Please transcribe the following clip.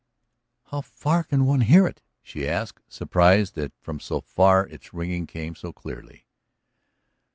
"How far can one hear it?" she asked, surprised that from so far its ringing came so clearly.